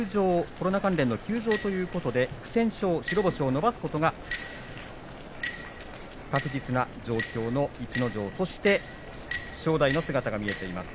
コロナ関連の休場ということで白星を伸ばすことが確実な状況の逸ノ城そして正代の姿が見えています。